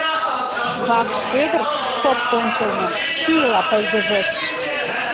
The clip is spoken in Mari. Вакш Пӧдыр поп ончылно пийла пыльгыжеш.